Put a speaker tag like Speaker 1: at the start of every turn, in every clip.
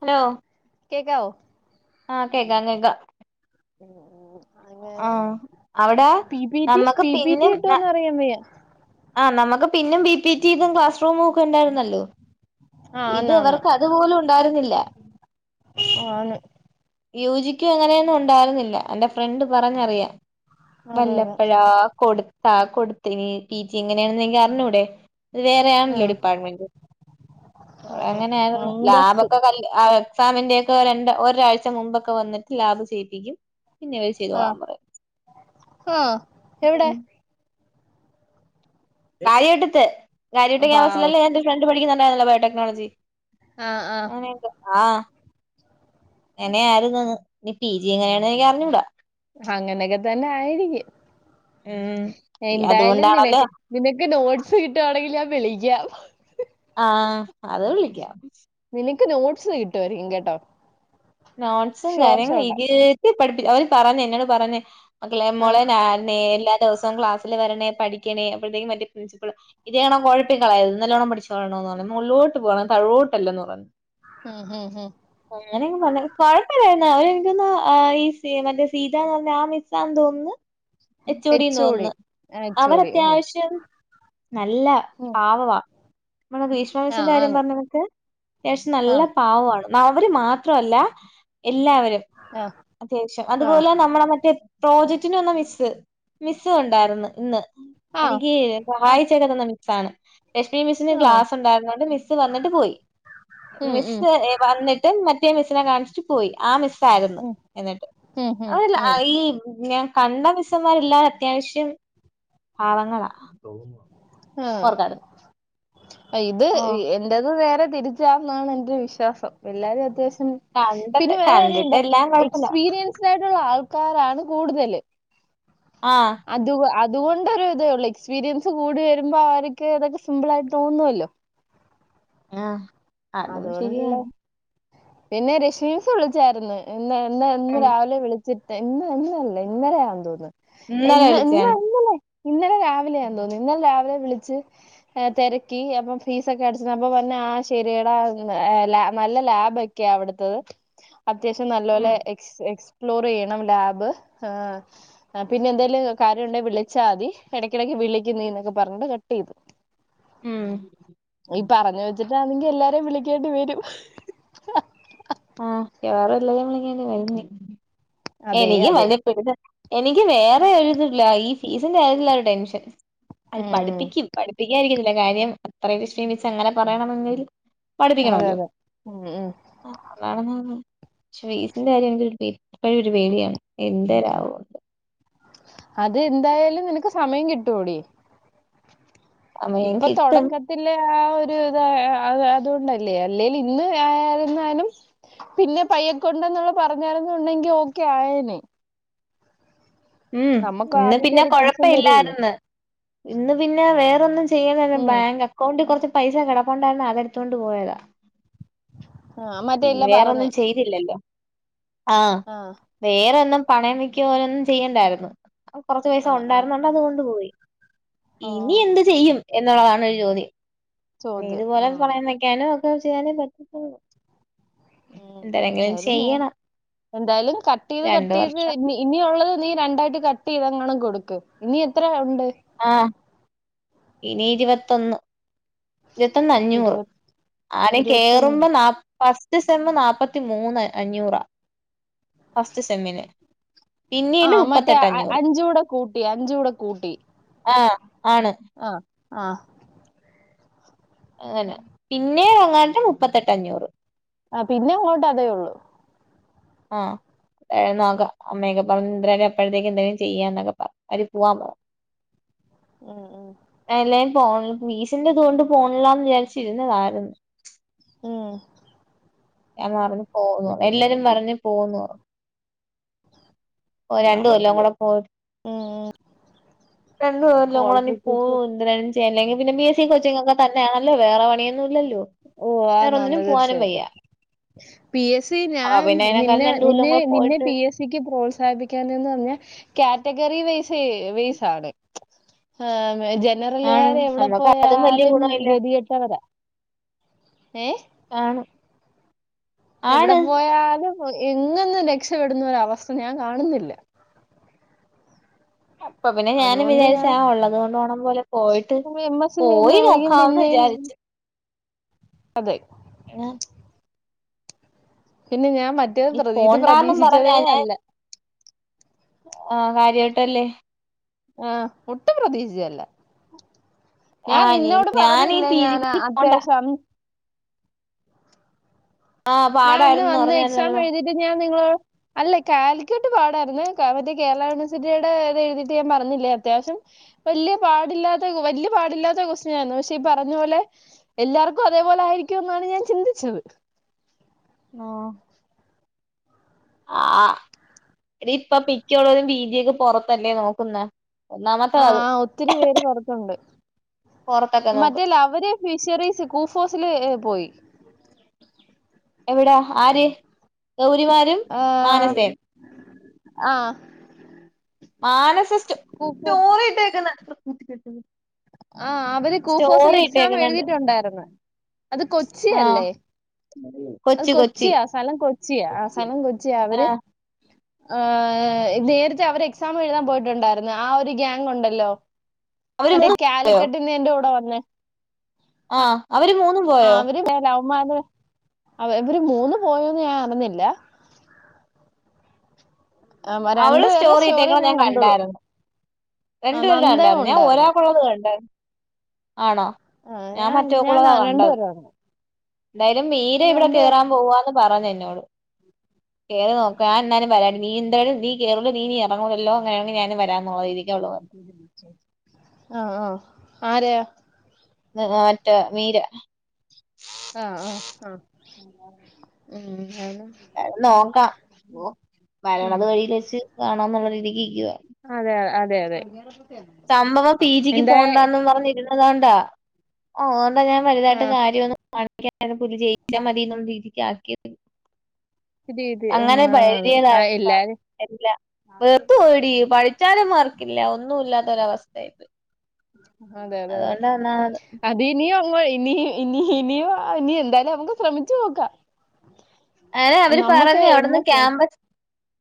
Speaker 1: Hello
Speaker 2: കേക്കാവോ
Speaker 1: ആഹ് കേക്കാം കേക്കാം
Speaker 2: ഉം ഉം അങ്ങനെ
Speaker 1: ആഹ് അവിടെ
Speaker 2: പി പിറ്റി
Speaker 1: നമ്മക്ക്
Speaker 2: പി പിറ്റി
Speaker 1: പിന്നും
Speaker 2: ഇട്ടോന്ന് അറിയാ വയ്യ
Speaker 1: ആഹ് നമുക്ക് പിന്നേം ബി പിറ്റി ഇതും ക്ലാസ് റൂമും ഒക്കെ ഉണ്ടായിരുന്നല്ലോ
Speaker 2: ആ
Speaker 1: ഇത്
Speaker 2: ആന്ന് ആന്ന്
Speaker 1: ഇവർക്ക് അ തുപോലും ഉണ്ടായിരുന്നില്ല
Speaker 2: ആണ്
Speaker 1: യൂജിക്കും എങ്ങനെയൊന്നും ഉണ്ടായിരുന്നില്ല എന്റെ ഫ്രണ്ട് പറഞ്ഞറിയാം
Speaker 2: അതെ അതെ
Speaker 1: വല്ലപ്പഴാ കൊടുത്താ കൊടുത്തനി പി ജി എങ്ങനെയാണെന്നെങ്ക അറിഞ്ഞൂടെ വേറെ ആണല്ലോ
Speaker 2: ഉം
Speaker 1: ഡിപ്പാർട്ട്മെന്റ് അങ്ങനെയരുന്നു
Speaker 2: അന്തസ്സ്
Speaker 1: ലാബൊക്കെ കല്ല് അ സാമിന്റെയ ഒക്കെ രണ്ട് ഒരാഴ്ച മുമ്പൊക്കെ വന്നിട്ട് ലാബ് ചെയ്യിപ്പിക്കും പിന്ന ഇവര് ചെയ്തോളാൻ പറയും
Speaker 2: ആഹ് എവിടെ?
Speaker 1: ഉം കാര്യവട്ടത്
Speaker 2: വാവ്
Speaker 1: കാര്യട്ടക്കാമ്പസിലല്ലേ ഫ്രണ്ട് പഠിക്കുന്നുണ്ടായിുന്നല്ലോ ബയോട്ടേക് നോളജി
Speaker 2: ആ ആ
Speaker 1: അങ്ങനെന്തോ ആ അങ്ങെനെ ആര്ന്ന്‌ ഇനി പി ജി എങ്ങനെയാണ എനിക്ക് അറിഞ്ഞൂടാ
Speaker 2: അങ്ങനെയൊക്കെ തന്നെ ആയിരിക്കും
Speaker 1: ഉം
Speaker 2: എന്തായാലും
Speaker 1: അതുകൊണ്ടാണല്ലോ
Speaker 2: നിനക്ക് നിനക്ക് നോട്സ് കിട്ടുവാണെങ്കിൽ ഞാൻ വിളിക്കാം ഹ്
Speaker 1: ആഹ് അത് വിളിക്കാം
Speaker 2: നിനക്ക് നോട്ട്സ് കിട്ടുവാരിക്കും കേട്ടോ
Speaker 1: നോട്ട്സും
Speaker 2: ഷുവർ
Speaker 1: കാര്യങ്ങളും
Speaker 2: ഷോട്ടാ
Speaker 1: ഇരുത്തി പഠിപ്പിച്ച അവര് പറഞ്ഞ എന്നോട് പറഞ്ഞേ മക്കളെ
Speaker 2: ആ
Speaker 1: മോളെ നാന്നെ എല്ലാ ദിവസവും ക്ലാസ്സില് വരണേ പഠിക്കണേ അപ്പോഴത്തേക്കും മറ്റേ പ്രിൻസിപ്പള് ഇതേണം കുഴപ്പിക്കളയത് ഇ നല്ലോണം പടിചോളെണം എന്ന് പറഞ്ഞു മോളിലോട്ട് പോണം തഴോട്ടല്ല എന്ന് പറഞ്ഞു.
Speaker 2: ഉം ഉം ഉം
Speaker 1: അങ്ങനെങ്ങ് പറഞ്ഞാലും കൊഴപ്പില്ലായിരുന്നു അവര്നിക്ക ആ ഈ സീമന്റ് സീത എന്ന് പറഞ്ഞ ആ മിസ്സാണെന്ന് തോന്നുന്നു എച്ചോടി
Speaker 2: എച്ച് ഒ ഡി
Speaker 1: തോന്നന്ന്
Speaker 2: എച്ച് ഒ
Speaker 1: അവർ
Speaker 2: ഡി ഉം
Speaker 1: അത്യാവശ്യം നല്ല
Speaker 2: ഉം
Speaker 1: പാവവാ നമ്മള
Speaker 2: ആ
Speaker 1: കാസിന്റെ കാര്യം
Speaker 2: ആന്ന്
Speaker 1: പറഞ്ഞതൊക്കെ ത്യാവശ്യം
Speaker 2: ആ
Speaker 1: നല്ല പാവാണ് അവര് മാത്രല്ല എല്ലാവരും
Speaker 2: ആ
Speaker 1: അത്യാവശ്യം
Speaker 2: ആ
Speaker 1: അതുപോലെ നമ്മളെ മറ്റേ പ്രോജക്റ്റിന വന്ന് മിസ്സ് മിസ്സ് ഉണ്ടായിര്ന്ന് ഇന്ന്
Speaker 2: ആ
Speaker 1: എനിക്ക്
Speaker 2: ആ
Speaker 1: സഹായിച് തന്ന മിസ്സാണ് ലക്ഷ്മി മിസ്സിന്
Speaker 2: ആ
Speaker 1: ഗ്ലാസ് ഉണ്ടായിരുന്നോണ്ട് മിസ്സ് വന്നിട്ട് പോയി
Speaker 2: ഉം ഉം
Speaker 1: മിസ് എ വന്നിട്ട് ദൻ മറ്റേ മിസ്സിനെ കാണിച്ചു പോയി ആ മിസ്സ്‌ ആയിരുന്നു
Speaker 2: ഉം
Speaker 1: എന്നിട്ട്
Speaker 2: ഉം ഉം
Speaker 1: അവരെല്ല
Speaker 2: ഉം
Speaker 1: ഈ പിന്നേ കണ്ട മിസ്സന്മാരല്ലാ അത്യാവശ്യം പാവങ്ങളാ ഓർക്കാട്.
Speaker 2: ആഹ ഇത്
Speaker 1: ഓഹ്
Speaker 2: ഇ എന്റേത് നേരെ തിരിച്ചാണ്ന്നാണ് എന്റെ വിശ്വാസം എല്ലാരും അത്യാവശ്യം
Speaker 1: കണ്ടിട്ട്
Speaker 2: പിന്നെ വേറെകാര്യണ്ട്
Speaker 1: കണ്ടിട്ടെല്ലാം കൊഴപ്പല്ല
Speaker 2: എക്സ്പീരിയൻസ് ആയിട്ടുള്ള ആൾക്കാരാണ് കൂടുതല്
Speaker 1: ആ
Speaker 2: അത് അതുകൊണ്ടൊരു ഇതേ ഉള്ളൂ എക്സ്പീരിയൻസ് കൂടി വരുമ്പോ അവർക്ക് ഇതൊക്കെ സിമ്പിൾ ആയിട്ട് തോന്നുല്ലോ
Speaker 1: ആഹ
Speaker 2: അതുകൊണ്ടുള്ള പിന്നെ രശ്മീസ് വിളിച്ചായിരുന്നു ഇാ എന്നാ ഇന്ന്
Speaker 1: ഉം
Speaker 2: രാവിലെ വിളിച്ചിട്ട് ഇന്ന് ഇന്നല്ലേ ഇന്നരെയയാെന്ന്
Speaker 1: ഇന്നലെ വിളിച്ചാണ്
Speaker 2: തോന്നുന്നു ഇന്നലെ രാവിലെ വിളിച്ച് തിരക്കി അപ്പൊ ഫീസ ഒക്കെ അടിച്ച അപ്പൊന്നെ നല്ല ലാഭക്കെയ അവിടുത്തത് അത്യാവശ്യം
Speaker 1: ഉം
Speaker 2: നല്ലപലെ എക്സ്പ്ലോർ ചെയ്യണം ലാബ് ആ ആ പിന്നെ എന്തേലും കാര്യംണ്ടെിൽ വിളിച്ചാൽ മതി ഇടയ്ക്കിടയ്ക്ക് വിളിക്ക നീന്നൊക്കെ പറഞ്ഞട്ട് കട്ട് ചെയ്തു
Speaker 1: ഉം
Speaker 2: ഈ പറഞ്ഞ വെച്ചിട്ടാണെങ്കിൽ എല്ലാരും വിളിക്കേണ്ടി വരും
Speaker 1: ആഹ വേറെ എല്ലളിങ്ങ വ
Speaker 2: അതെ
Speaker 1: എനിക്കും
Speaker 2: അതെ
Speaker 1: വലിയ എനിക്ക് വേറെ എഴുതില്ല ഈ ഫീസിന്റെ കാര്യത്തില്ല ഒരു ടെൻഷൻ അത്
Speaker 2: ഉം
Speaker 1: പഠിപ്പിക്കും പഠിപ്പിക്കാായിരിക്കുന്നല്ല കാര്യം അത്രയും കക്ഷീമിച്ച് അങ്ങനെ പറയണമെങ്കിൽ
Speaker 2: അതെ അതെ
Speaker 1: അതാണ പക്ഷെ ഫീസിന്റെ കാര്യം എരു ഇപ്പോഴും ഒരു പേടിയാണ്
Speaker 2: അത് എന്തായാലും നിനക്ക് സമയം കിട്ടൂടി
Speaker 1: സമയം
Speaker 2: ഇപ്പൊ
Speaker 1: കിട്ടും
Speaker 2: തുടക്ക ല്ലെ ആ ഒരു ഇത അതുകൊണ്ടല്ലേ അല്ലെൽ ഇന്ന് പിന്നെ പയ്യക്കൊണ്ടന്നുള്ള പറഞ്ഞരുന്നുുണ്ടെങ്കി ഓക്കെ ആയേനെ
Speaker 1: ഉം
Speaker 2: നമുക്ക് ആദ്യത്തെ
Speaker 1: ഇന്നപിന്നെ
Speaker 2: ഒരു ടെൻഷൻ
Speaker 1: കൊഴപ്പ
Speaker 2: വരുവല്ലോ
Speaker 1: ഇല്ലായിന്ന് ഇന്ന് പിന്നെ വേറോന്നും
Speaker 2: ഉം
Speaker 1: ചെയ്യണല്ലപ്ലാൻ അക്കൗണ്ടിൽ കുറച്ച് പൈസ കിടക്കൊണ്ടായിരുന്നു ആതടുത്തുകൊണ്ട് പോയത്
Speaker 2: ആ മറ്റേ ഇല്ല പറഞ്ഞ്
Speaker 1: വേറോന്നും ചെയ്തില്ലല്ലോ ആഹ
Speaker 2: ആഹ
Speaker 1: വേറോന്നും പണയംമിക്ക ഓരൊന്നും ചെയ്യണ്ടായിരുന്നു അപ്പ കുറച്ച പൈസ
Speaker 2: ആ ആ
Speaker 1: ഉണ്ടായിരുന്നുണ്ട് അതുകൊണ്ട് പോയി
Speaker 2: ഓ ഓ
Speaker 1: ഇനി എന്ത് ചെയ്യും എന്നുള്ളതാണ് ഒരു ചോദ്യം നീ
Speaker 2: ചോദ്യം
Speaker 1: ഇതുപോലെ
Speaker 2: ഉം
Speaker 1: പറയുന്ന കനോ അക്കെ ചെയ്യാേ പറ്റി
Speaker 2: ഉ എന്തായാലും നോ
Speaker 1: ചെയ്യണം
Speaker 2: എന്തായാലും കട്ട് ചെയ്ത്
Speaker 1: രണ്ട്
Speaker 2: കട്ട് ചെയ്ത്
Speaker 1: വർഷം
Speaker 2: ഇ ഇനി ഉള്ളത് നീ രണ്ടായിട്ട് കട്ട് ചെയ്തങ്ങും കൊടുക്കും ഇനി എത്ര ഉണ്ട്
Speaker 1: ആഹ ഇനി ഇരുപത്തൊന്ന് ഇരുപത്തൊന്ന് അഞ്ഞൂറ്
Speaker 2: ഇരുപ
Speaker 1: ആരും
Speaker 2: ഇരുപത്തൊന്ന്
Speaker 1: കേറുമ്പോ നാ ഫസ്റ്റ് സെമ്മ നാപ്പത്തി മൂന്ന് അഞ്ഞൂറാ ഫസ്റ്റ് സെമ്മിന്
Speaker 2: ആ
Speaker 1: പിന്നീല് മുപ്പത്തെ
Speaker 2: മറ്റേ
Speaker 1: എട്ട്
Speaker 2: അ-
Speaker 1: അഞ്ഞൂറ്
Speaker 2: അഞ്ചൂടെ കൂട്ടി അഞ്ചൂടെ
Speaker 1: ആഹ് ആണ്.
Speaker 2: ആഹ് ആഹ്.
Speaker 1: അങ്ങനെ പിന്നെ അങ്ങാട്ട് മുപ്പത്തെട്ട് അഞ്ഞൂറ്.
Speaker 2: ആഹ് പിന്നെ അങ്ങോട്ട് അതേ ഉള്ളൂ.
Speaker 1: ആഹ്. നോക്ക അമ്മയൊക്കെ പറഞ്ഞ എന്താലും അപ്പോഴത്തേക്ക് എന്തെങ്കിലും ചെയ്യാ എന്നൊക്കെ പറ അവര് പോവാൻ പറഞ്ഞ്.
Speaker 2: ഉം ഉം
Speaker 1: എല്ലാ പോ വീസിന്റെ ഇതുകൊണ്ട് പോണില്ലാന്ന് വിചാരിച്ചിരുന്നതായിരുന്നു.
Speaker 2: ഉം.
Speaker 1: ഞാൻ പറഞ്ഞ് പോന്ന് എല്ലാരും പറഞ്ഞ് പോന്ന്. ഓഹ് രണ്ടു കൊല്ലോ കൂടെ പോയിട്ട്.
Speaker 2: ഉം ഉം.
Speaker 1: രണ്ടു പേരിലും കൂടെ നീ പോ.
Speaker 2: ക്വാളിഫിക്കേഷൻ
Speaker 1: [unintelligible] ശ്ശേ അല്ലെങ്കിൽ പിന്നെ പി എസ് സി കോച്ചിങ്ങ് ഒക്കെ തന്നെയാണല്ലോ വേറെ പണിയൊന്നും ഇല്ലല്ലോ.
Speaker 2: ഓഹ് ആന്ന്
Speaker 1: വേറൊന്നിനും
Speaker 2: ആന്ന്
Speaker 1: പോവാനും വയ്യ
Speaker 2: തീർച്ചയായിട്ടും. പി എസ് സി
Speaker 1: അപ്പൊ
Speaker 2: ഞാൻ
Speaker 1: പിന്നെ അതിനേക്കാളും
Speaker 2: നിന്നെ
Speaker 1: രണ്ട് കൊല്ലം
Speaker 2: നിന്നെ
Speaker 1: കൂടെ
Speaker 2: നിന്നെ
Speaker 1: പോയിട്ട്
Speaker 2: പി എസ് സിക്ക് പ്രോത്സാഹിപ്പിയ്ക്കാനെന്ന് പറഞ്ഞാൽ കാറ്റഗറി വൈസ് വൈസ് ആണ്. ആഹ്
Speaker 1: ആണ്
Speaker 2: ജനറലുകാര് എവിടെ
Speaker 1: നമ്മക്ക് അതും വലിയ
Speaker 2: പോയാലും
Speaker 1: ഗുണമില്ല
Speaker 2: ഗതികെട്ടവരാ. ഏഹ്.
Speaker 1: ആണ്.
Speaker 2: എവിടെ
Speaker 1: ആണ്
Speaker 2: പോയാലും എങ്ങുന്ന് രക്ഷപെടുന്ന ഒര അവസ്ഥ ഞാൻ കാണുന്നില്ല.
Speaker 1: അപ്പൊ പിന്നെ ഞാനും
Speaker 2: അതുകൊണ്ട്
Speaker 1: വിചാരിച്ച്
Speaker 2: ഞാൻ
Speaker 1: ആഹ് ഉള്ളത് കൊണ്ട് ഓണം പോലെ. പോയിട്ട്
Speaker 2: എം എസ് സി
Speaker 1: പോയി
Speaker 2: ചെയ്യുന്നതായിരിക്കും
Speaker 1: നോക്കാവെന്ന്
Speaker 2: പിന്നെയും
Speaker 1: വിചാരിച്ച്.
Speaker 2: അതെ.
Speaker 1: ഞാ.
Speaker 2: പിന്നെ ഞാൻ മറ്റേത്
Speaker 1: ഈ
Speaker 2: പ്ര ഇത്
Speaker 1: പോണ്ടാന്നും
Speaker 2: പ്രതീക്ഷിച്ചതേ
Speaker 1: പറഞ്ഞാ
Speaker 2: അല്ല.
Speaker 1: ആഹ് കാര്യായിട്ടല്ലേ.
Speaker 2: ആഹ് ഒട്ടും പ്രതീക്ഷിച്ചതല്ല. ഞാൻ
Speaker 1: ആഹ്
Speaker 2: നിന്നോട്
Speaker 1: ഞാനീ
Speaker 2: പറഞ്ഞില്ലേ
Speaker 1: പി
Speaker 2: ഞാൻ
Speaker 1: ജിക്ക് പോണ്ട
Speaker 2: അത്യാവശ്യം ആണെന്ന്
Speaker 1: ആഹ്
Speaker 2: ഞാൻ അന്ന്
Speaker 1: പാടായിരുന്നുന്ന്
Speaker 2: വന്ന് എക്സാം
Speaker 1: പറഞ്ഞായിരുന്നല്ലോ
Speaker 2: എഴുതിട്ട് ഞാൻ നിങ്ങ അല്ല കാലിക്കറ്റ് പാടായിരുന്നു മറ്റേ കേരള യൂണിവേഴ്സിറ്റിയുടെ ഇത് എഴുതിയിട്ട് ഞാൻ പറഞ്ഞില്ലേ അത്യാവശ്യം. വല്യ പാടില്ലാത്ത വല്യ പാടില്ലാത്ത കൊസ്റ്റിയനായിരുന്നു പക്ഷെ ഈ പറഞ്ഞ പോലെ. എല്ലാർക്കും അതേപോലെ ആയിരിക്കോ എന്നാണ് ഞാൻ ചിന്തിച്ചത്.
Speaker 1: ആഹ്. ആഹ് ടീ ഇപ്പ പിക്കേള്ളോരും പീ ജി ഒക്കെ പൊറത്തല്ലേ നോക്കുന്നേ?
Speaker 2: ആഹ് ഒത്തിരി പേര് പുറത്തുണ്ട്
Speaker 1: പുറത്തൊക്കെ നോക്കും
Speaker 2: മറ്റേ ലവര്. ഫിഷറീസ് കൂഫോസില് പോയി.
Speaker 1: എവിടാ ആര്? ഗൗരിമാരും
Speaker 2: ഏഹ്
Speaker 1: മാനസയും
Speaker 2: ആഹ്.
Speaker 1: മാനസ സ്റ്റോ
Speaker 2: കൂഫോ
Speaker 1: സ്റ്റോറി ഇട്ടേക്കുന്നേ കണ്ടോ?
Speaker 2: ആഹ് അവര് ഇത്തി കൂഫോസിൽ എക്സാം
Speaker 1: ഇട്ടേക്കുന്നുണ്ട്
Speaker 2: എഴുതിയിട്ടുണ്ടായിരുന്നു അത് കൊച്ചി
Speaker 1: ആഹ്
Speaker 2: അല്ലേ. അത്
Speaker 1: കൊച്ചി കൊച്ചി
Speaker 2: കൊച്ചിയാ സ്ഥലം കൊച്ചിയാ ആഹ് സ്ഥലം കൊച്ചിയാ അവര്.
Speaker 1: ആഹ്
Speaker 2: ആഹ് നേരത്തെ അവര് എക്സാം എഴുതാൻ പോയിട്ടുണ്ടായിരുന്നു ആഹ് ഒരു ഗ്യാങ് ഒണ്ടല്ലോ.
Speaker 1: അവര് മൂ
Speaker 2: കാലിക്കെട്ടീന്ന് എന്റെ കൂടെ വന്നേ.
Speaker 1: ആഹ് അവര് മൂന്നും പോയോ
Speaker 2: ആഹ് അവര് ലവന്മാര് അവര് മൂന്ന് പോയോന്ന് ഞാൻ അറിഞ്ഞില്ല. രണ്ടു
Speaker 1: അവള്
Speaker 2: പേരുടെ
Speaker 1: സ്റ്റോറി ഇട്ടേക്കുന്നേ ഞാൻ
Speaker 2: കണ്ടുള്ളൂ
Speaker 1: കണ്ടാരുന്നു.
Speaker 2: ആ
Speaker 1: രണ്ട് പേര്ടെ
Speaker 2: നന്ദയും
Speaker 1: കണ്ടാർന്നു ഞാൻ
Speaker 2: ഉണ്ടായിരുന്നു
Speaker 1: ഒരാകുള്ളത് കണ്ടാരുന്നു. ആണോ
Speaker 2: ആ
Speaker 1: ഞാ
Speaker 2: ഞാൻ
Speaker 1: മറ്റൊക്കുള്ളതാ
Speaker 2: ഞാൻ
Speaker 1: കണ്ടത്.
Speaker 2: രണ്ടുപേരും വന്നു.
Speaker 1: ന്നേരം മീര ഇവിടെ
Speaker 2: രണ്ടു പേരും കണ്ടു രണ്ട്
Speaker 1: കേറാൻ പോവാന്ന് പറഞ്ഞെന്നോട്. കേറി നോക്കൻ ആ അന്നാലും വരാടി നീ എന്തായാലും വീ കേറുമ്പ നീ ഇനി എറങ്ങൂലല്ലോ അങ്ങനെയാണെങ്കി ഞാനും വരാന്നുള്ള രീതിക്ക് അവള്. പറഞ്ഞു
Speaker 2: ആഹ് ആഹ് ആര്.
Speaker 1: ത് മറ്റ മീര.
Speaker 2: ആഹ് ആഹ് ആഹ്. ഉം ഉം ഞാന്.
Speaker 1: അ നോക്കാം ഓ
Speaker 2: ഉം
Speaker 1: വരണത് വഴിൽ വച്ച് കാണാംന്നുള്ള രീതിക്ക് ഇരിക്ക്യുവാ.
Speaker 2: അതെ അ അതെ അതെ.
Speaker 1: സംഭവം പി ജിക്ക്
Speaker 2: എന്തായ
Speaker 1: പോണ്ടാന്നും പറഞ്ഞിരുന്നതോണ്ടാ അതൊണ്ടാ ഞാൻ വലുതായിട്ടും
Speaker 2: ആഹ്
Speaker 1: കാര്യന്നു പട്ക്ക്യാ [unintelligible] പുല്ല് ജയിച്ചാ മതിന്നുള്ള രീതിക്ക് ആക്കി
Speaker 2: രീതി ഉം
Speaker 1: അങ്ങനെ
Speaker 2: ആന്ന് ആന്ന്
Speaker 1: പഴകിയ
Speaker 2: ആ
Speaker 1: ലൈഫാ
Speaker 2: എല്ലാരും
Speaker 1: എല്ല വേർത്തു പോയെടി പഴ് ചാലും മാർക്കില്ല ഒന്നുല്ലാത്തൊരവസ്ഥയിയി പോയി.
Speaker 2: അതെ അതെ അതെ
Speaker 1: അതുകൊണ്ടാ ഒന്നാമത്
Speaker 2: അത് ദിനിയും അങ്ങോ ഇനി ഇനി ഇനിയും ഇനി എന്തായാലും നമുക്ക് സ്രമിച്ചു നോക്ക.
Speaker 1: അ അവര് പറഞ്ഞു അവിടുന്ന് ക്യാമ്പസ്.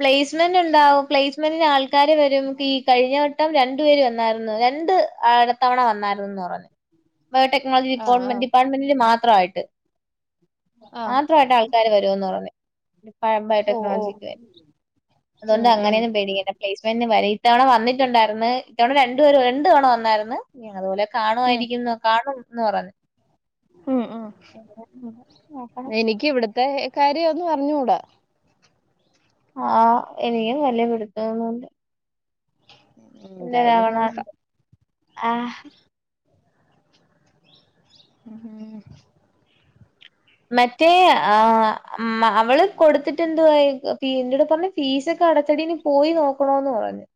Speaker 1: പ്ലേസ്മെന്റ്ണ്ടാവും പ്ലേസ്മെന്റിന് ആൾക്കാര് വരും പീ കഴിഞ്ഞ വ ട്ടം രണ്ടു പേര് വന്നായിരുന്നു രണ്ട് അടത്തവണ വന്നായിരുന്നുന്ന് പറഞ്ഞ്. ബയോടെക്നോൾജി
Speaker 2: ആ ആ
Speaker 1: ഡിപ്പോൾമെൻ്റ് ഡിപ്പാട്ട്മെന്റില് മാത്രായിട്ട്.
Speaker 2: ആ
Speaker 1: മാത്രായിട്ട് ആൾക്കാര് വരുവെന്ന് പറഞ്ഞ്. പഴംമ്പായി
Speaker 2: ഓ ഓ
Speaker 1: ടെക്നോളജിക്ക്
Speaker 2: ഉം
Speaker 1: അതുകൊണ്ട്
Speaker 2: ഉം
Speaker 1: അങ്ങനെന്നും പേടിക്കണ്ട പ്ലേസ്മെന്റിന് വരെയു ഇത്തവണ വന്നിട്ടുണ്ടായിര്ന്ന് ഇത്തവണ രണ്ടു പേര് രണ്ടു തവണ വന്നായിര്ന്ന്. എ അതുപോലെ
Speaker 2: ഉം
Speaker 1: കാണുവായിരിക്കുംന്ന് കാണുംന്ന് പറഞ്ഞു.
Speaker 2: ഉം ഉം.
Speaker 1: എവിടാ പ്പ നോക്കണം.
Speaker 2: എനിക്കിവിടത്തെ കാര്യ ഒന്നും അർഞ്ഞൂടാ.
Speaker 1: ആ എനിക്കും വല്ല്യ പിടുത്തൊന്നുല്ല. ഇല്ല
Speaker 2: എന്തായാലും
Speaker 1: രാവണാന്ന്
Speaker 2: നോക്കാം
Speaker 1: ആഹ്.
Speaker 2: ഉം.
Speaker 1: മറ്റേ ആ അവള് മ്മ കൊടുത്തിട്ടെന്തുവായേക്. പി എന്റെട് പറഞ്ഞ് ഫീസൊക്കെ അടച്ചെടി നിപോയി നോക്കണോന്ന് പറഞ്ഞ്.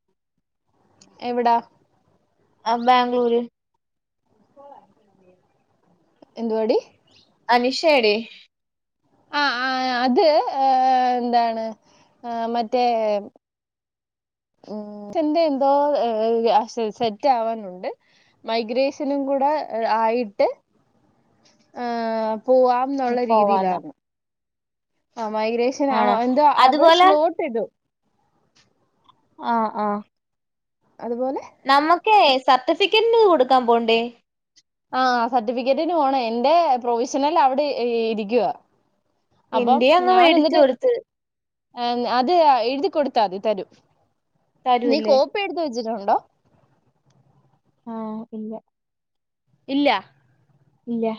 Speaker 2: എവിടാ?
Speaker 1: അ ബാംഗ്ലൂര്.
Speaker 2: എന്തുവാടി.
Speaker 1: അനിഷേടി.
Speaker 2: അ ആഹ് അത് ഏ ന്താണ് ആ മറ്റേ. ഉം റ്റെന്റെന്തോ എ എ അ സെ സെറ്റാവാനുണ്ട്. മൈഗ്രേശനും കൂടെ അ് ആയിട്ട് ആ. പോവാംന്നുള്ള
Speaker 1: പോവാന്നോ
Speaker 2: രീതിയിലാന്ന് ആ മൈഗ്രേഷൻ ആ
Speaker 1: ആണോ
Speaker 2: എന്തോ അവടെ
Speaker 1: അതുപോലെ
Speaker 2: സ്ലോ ചെയ്തു.
Speaker 1: ആഹ് ആഹ്.
Speaker 2: അത്പോലെ.
Speaker 1: നമ്മക്കേ സർട്ടിഫിക്കേറ്റിനിത് കൊടുക്കാൻ പോണ്ടേ.
Speaker 2: ആഹ് സർട്ടിഫിക്കറ്റിന് പോണേ എന്റെ പ്രൊവിഷണൽ അവിടെ ഇ ഇരിക്ക്യുവാ. അപ്പം
Speaker 1: എന്റെ അങ്ങ് മേടിച്ചു
Speaker 2: ഞാനെന്നിട്ട്.
Speaker 1: കൊടുത്ത്
Speaker 2: എം അത് ആ എഴുതി കൊടുത്താതി തരും നീ
Speaker 1: തരുവല്ലേ
Speaker 2: കോപ്പി എടുത്ത് വെച്ചിട്ടുണ്ടോ?
Speaker 1: ആഹ് ഇല്ല.
Speaker 2: ഇല്ല.
Speaker 1: ഇല്ല.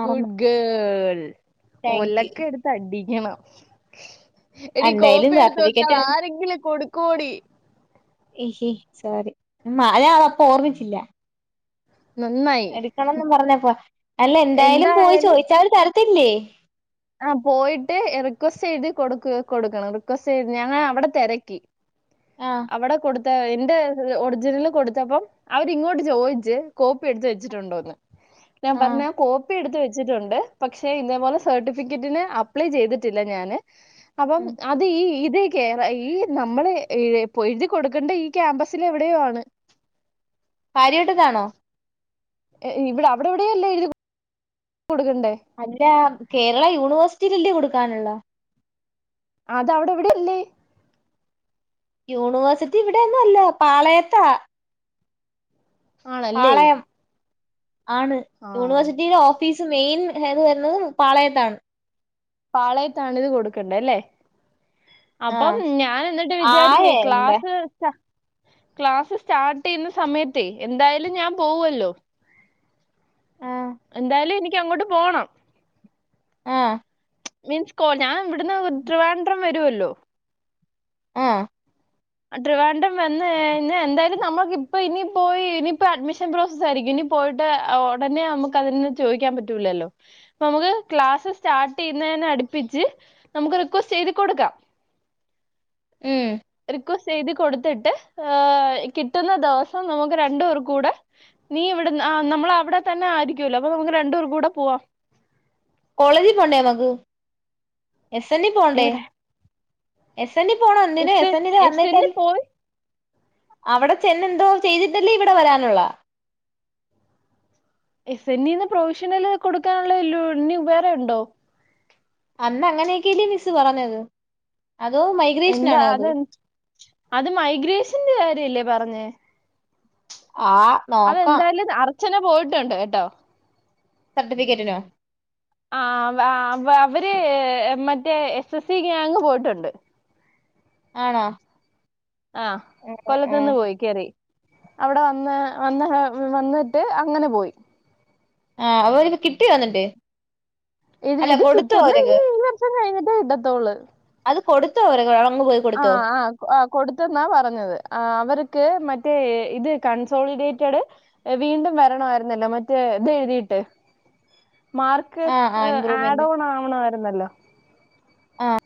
Speaker 1: മറന്നു
Speaker 2: ഗുഡ് ഗേൾ
Speaker 1: താങ്ക് യു
Speaker 2: ഒലക്കെ എടുത്ത് അടിക്കണം എടി
Speaker 1: എന്തായാലും
Speaker 2: കോപ്പി എടുത്ത് വെക്കാതെ
Speaker 1: സർട്ടിഫിക്കറ്റ്
Speaker 2: ആരെങ്കിലും കൊടുക്കൊടി
Speaker 1: ഹിഹി സോറി മായാളൊപ്പൊ ഓർമ്മിച്ചില്ല
Speaker 2: നന്നായി
Speaker 1: കിട്ടണന്ന് പറഞ്ഞപ്പോ അല്ല എന്തായാലും പോയി ചോയിച്ചാല് തരത്തില്ലേ
Speaker 2: ആഹ് പോയിട്ട് റിക്വസ്റ്റ് എഴുതി കൊടുക്ക് കൊടുക്കണം റിക്വസ്റ്റ് എഴുതി ഞങ്ങൾ അവിടെ തെരക്കി
Speaker 1: ആഹ്
Speaker 2: അവടെ കൊടുത്ത എന്റെ ഒറിജിനല് കൊടുത്തപ്പം അവരിങ്ങോട്ട് ചോയിച്ച് കോപ്പി എടുത്ത് വെച്ചിട്ടുണ്ടോന്ന് ഞാൻ
Speaker 1: ആഹ്
Speaker 2: പറഞ്ഞ് ഞാൻ കോപ്പി എടുത്ത് വെച്ചിട്ടുണ്ട് പക്ഷെ ഇതേപോലെ സെർട്ടി ഫിക്കേറ്റിന് അപ്ളെ ചെയ്തിട്ടില്ല ഞാന് അപ്പോ
Speaker 1: ഉം
Speaker 2: അ ത് ഈ ഇത് കേര ഈ നമ്മള് എഴ പൊഴുതി കൊടുക്കേണ്ട ഈ ക്യാമ്പസിൽ എവിടെയോ ആണ്
Speaker 1: പാരിവട്ടത്താണോ?
Speaker 2: എ ഇവിടെ അവിടെവിടെയെല്ലെ എഴുതി കൊ കൊടുക്കണ്ടെ
Speaker 1: അല്ല കേരള യൂണിവേഴ്സിറ്റിലല്ലെ കൊടുക്കാനുള്ളെ
Speaker 2: അതവിടെ എവിടെയില്ലേ?
Speaker 1: യൂണിവേഴ്സിറ്റി ഇവിടെയെന്നുഅല്ല പാളയത്താ
Speaker 2: ആണല്ലേ
Speaker 1: പാളയം ആണ്
Speaker 2: ആ
Speaker 1: യൂണിവേഴ്സിറ്റിയിലെ ഓ ഫീസ് മെയിൻ മെയിൻഹെഡ് വരുണത് പാളയത്താണ്
Speaker 2: പാളയത്താണിത് കൊടുക്കേണ്ടെ അല്ലേ അപ്പം
Speaker 1: ആഹ്
Speaker 2: ഞാൻ എന്നിട്ട് വിചാരിച്ചേ
Speaker 1: ആയണ്ടേ
Speaker 2: ക്ലാസ് ക്ലാസ് സ്റ്റാർട്ട് ചെയ്യുന്ന സമയത്തേ എന്തായാലും ഞാൻ പോവല്ലോ
Speaker 1: ആഹ്
Speaker 2: എന്തായാലും എനിക്ക് അങ്ങോട്ട് പോണം
Speaker 1: ആഹ്
Speaker 2: മീൻസ് കോ ഞാൻ ഇവിടുന്ന് ട്രിവാൻഡ്രം വരൊല്ലോ
Speaker 1: ആഹ്
Speaker 2: ട്രിവാണ്ടം വന്ന് ഇന്ന എന്തായാലും നമ്മുക്കിപ്പ ഇനി പോയി ഇനിയിപ്പോ അഡ്മിഷൻ പ്രോസസ്സ് ആയിരിക്കും ഇനി പോയിട്ട് ഉടനെ നമുക്ക് അതിനന്ന് ചോദിക്കാൻ പറ്റൂല്ലല്ലോ നമുക്ക് ക്ലാസ് സ്റ്റാർട്ട് ചെയ്യുന്നതിനെ അടുപ്പിച്ച് നമുക്ക് റിക്വസ്റ്റ് ചെയ്ത് കൊടുക്കാം
Speaker 1: ഏ
Speaker 2: റിക്വസ്റ്റ് ചെയ്ത് കൊടുത്തിട്ട് ഹേ കിട്ടുന്ന ദവസം നമുക്ക് രണ്ടൂ പേർ കൂടെ നീ ഇവിടെന്ന് നമ്മളവിടെ തന്നെ ആയിരിക്കൊല്ലോ അപ്പൊ നമുക്ക് രണ്ടുപേർ കൂടെ പോവാം
Speaker 1: കോളേജിൽ പോണ്ടേ മഗു എസ് എൻല് പോണ്ടേ
Speaker 2: ഇവിടെ
Speaker 1: എസ് എനില് പോണം ഒന് എസ്
Speaker 2: എൻ
Speaker 1: എനില് വന്നിട്
Speaker 2: എന്നിൽ പോയി
Speaker 1: അവിടെ ചെന്നെന്തോ ചെയ്തിട്ടല്ലേ ഇവിടെ വരാനുള്ള
Speaker 2: എസ് എനീന്ന്പ്രൊവിഷണൽ കൊടുക്കാനുള്ള ലുണ്ട് ഇനിവേറെ ഉണ്ടോ
Speaker 1: അന്ന് അങ്ങനെയൊക്കെല്ലേ മിസ് പറഞ്ഞത് അതോ മൈഗ്രേഷൻാണോ അത്
Speaker 2: അത് മൈഗ്രേഷന്റെ കാര്യല്ലേ പറഞ്ഞേ
Speaker 1: ആഹ്
Speaker 2: അതെന്തായാലും അർച്ചന പോയിട്ടുണ്ട് കേട്ടോ
Speaker 1: സർട്ടിഫിക്കറ്റിന്
Speaker 2: ആഹ് അവ അവര് മറ്റേ എസ് എസ് സി ഗ്യയങ് പോയിട്ടുണ്ട്
Speaker 1: ആണോ
Speaker 2: ആഹ്
Speaker 1: ഉം
Speaker 2: കൊല്ലത്തു
Speaker 1: ഉം
Speaker 2: നിന്ന് പോയി കേറി അവിടെ വന്ന് വന്ന് വന്നിട്ട് അങ്ങനെ പോയി
Speaker 1: ആഹ് അവല്ക്ക് കിട്ടിയൊ ന്നട്ട്
Speaker 2: ഇ ഇനി കിട്ടുന്ന ഇനി ഈ വർഷം കഴിഞ്ഞിട്ടേ കിട്ടത്തൊള്ളൂ
Speaker 1: അത് കൊടുത്തു അവർ [unintelligible]
Speaker 2: ആഹ് ആഹ് ആഹ് കൊടുത്തെന്നാ പറഞ്ഞത് അവർക്ക് മറ്റേ ഇത് കൺസോളിഡേറ്റഡ് വീണ്ടും വരണമായിരുന്നല്ലോ മറ്റേ ഇത് എഴുതിയിട്ട് മാർക്ക്
Speaker 1: ആ ആ
Speaker 2: ഏഹ്
Speaker 1: ഇമ്പ്രൂവ്മെന്റ്
Speaker 2: ആഡ് ഓൺ ആവണമായിരുന്നല്ലോ
Speaker 1: ആഹ്